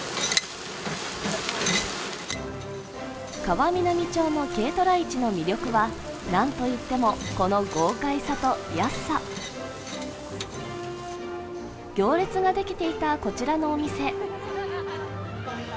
川南町の軽トラ市の魅力はなんといっても、この豪快さと安さ行列ができていたこちらのお店。